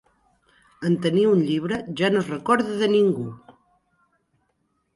En tenir un llibre, ja no es recorda de ningú!